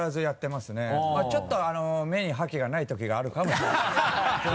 まぁちょっと目に覇気がない時があるかもしれないですけど。